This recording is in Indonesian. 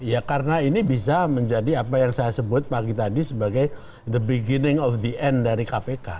ya karena ini bisa menjadi apa yang saya sebut pagi tadi sebagai the beginning of the end dari kpk